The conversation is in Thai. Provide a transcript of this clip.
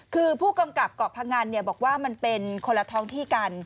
คือผู้กำกับเกาะพงันบอกว่ามันเป็นคนละท้องที่กัน